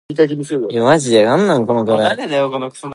McKenzie played college football at Penn State University.